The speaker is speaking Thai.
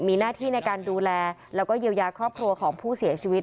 มีหน้าที่ในการดูแลแล้วก็เยียวยาครอบครัวของผู้เสียชีวิต